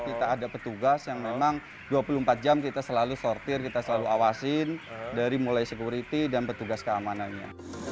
kita ada petugas yang memang dua puluh empat jam kita selalu sortir kita selalu awasin dari mulai sekuriti dan petugas keamanannya